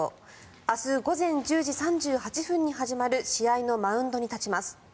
明日午前１０時３８分に始まる試合のマウンドに立ちます。